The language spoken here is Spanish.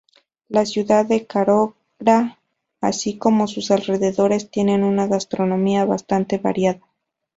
La ciudad de Carora, así como sus alrededores, tiene una gastronomía bastante variada.